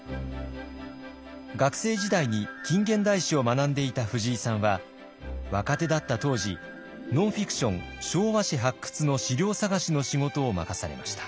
学生時代に近現代史を学んでいた藤井さんは若手だった当時ノンフィクション「昭和史発掘」の資料探しの仕事を任されました。